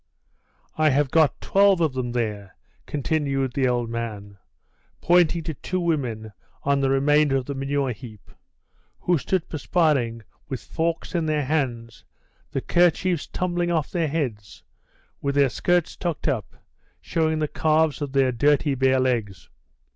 "I have got 12 of them there," continued the old man, pointing to two women on the remainder of the manure heap, who stood perspiring with forks in their hands, the kerchiefs tumbling off their heads, with their skirts tucked up, showing the calves of their dirty, bare legs.